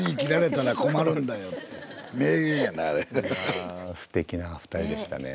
いやすてきなお二人でしたね。